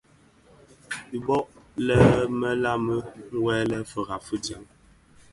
Dhi bō lè më lami wuèle firab fi djaň.